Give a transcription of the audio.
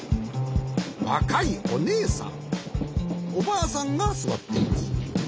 わかいおねえさんおばあさんがすわっています。